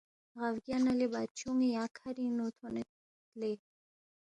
غابگیا نہ لے بادشون٘ی یا کھرِنگ نُو تھونید لے